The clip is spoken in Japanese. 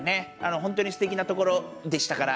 本当にすてきなところでしたから。